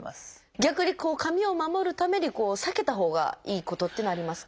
逆に髪を守るために避けたほうがいいことっていうのはありますか？